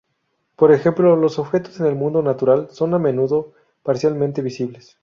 Por ejemplo, los objetos en el mundo natural son a menudo parcialmente visibles.